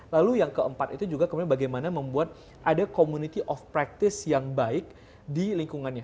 lalu yang keempat itu juga kemudian bagaimana membuat ada community of practice yang baik di lingkungannya